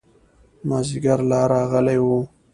مازدیګر لا راغلی و.